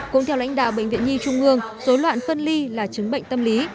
cũng theo lãnh đạo bệnh viện nhi trung ương dối loạn phân ly là chứng bệnh tâm lý